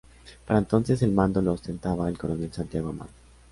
Para entonces el mando lo ostentaba el coronel Santiago Amado.